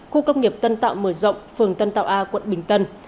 khu công nghiệp tân tạo mở rộng phường tân tạo a quận bình tân